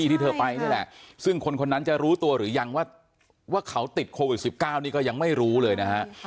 ที่เธอไปนี่แหละซึ่งคนคนนั้นจะรู้ตัวหรือยังว่าเขาติดโควิด๑๙นี่ก็ยังไม่รู้เลยนะฮะ